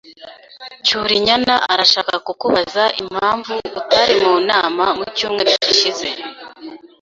Cyurinyana arashaka kukubaza impamvu utari mu nama mu cyumweru gishize.